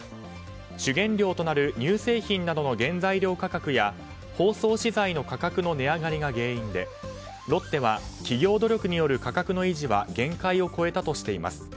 主原料となる乳製品などの原材料価格や包装資材の価格の値上がりが原因でロッテは、企業努力による価格の維持は限界を超えたとしています。